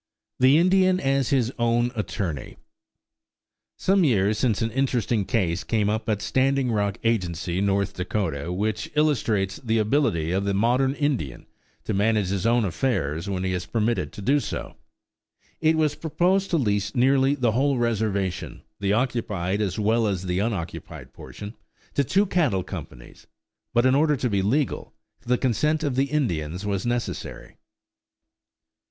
THE INDIAN AS HIS OWN ATTORNEY Some years since an interesting case came up at Standing Rock Agency, N.D., which illustrates the ability of the modern Indian to manage his own affairs when he is permitted to do so. It was proposed to lease nearly the whole reservation, the occupied as well as the unoccupied portion, to two cattle companies, but in order to be legal, the consent of the Indians was necessary.